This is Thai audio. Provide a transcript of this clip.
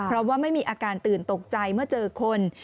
เพราะว่าไม่มีอาการตื่นตกใจเมื่อเจอคน